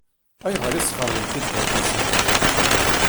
Ayɣer i tesxeṛbem tibḥirt-nsent?